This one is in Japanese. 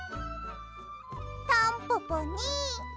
タンポポに。